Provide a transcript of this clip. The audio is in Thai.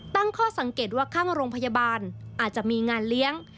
ตั้งข้อสังเกตว่าข้างโรงพยาบาลอาจจะมีงานเลี้ยง